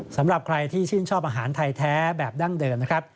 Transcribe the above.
สำหรับใครที่ชื่นชอบอาหารไทยแท้แบบดั้งเดิมนะครับ